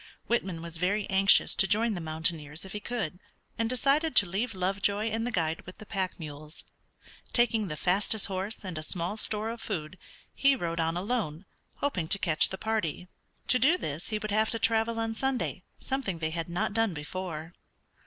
Whitman was very anxious to join the mountaineers if he could, and decided to leave Lovejoy and the guide with the pack mules. Taking the fastest horse, and a small store of food, he rode on alone, hoping to catch the party. To do this he would have to travel on Sunday, something they had not done before.